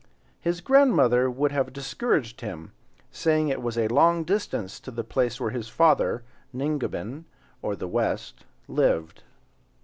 His grandmother would have discouraged him, saying it was a long distance to the place where his father, Ningabinn, or the West, lived.